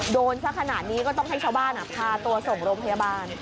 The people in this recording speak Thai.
โดนสักขนาดนี้ก็ต้องให้ชาวบ้านพาตัวส่งโรงพยาบาล